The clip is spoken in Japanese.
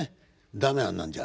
駄目あんなんじゃ。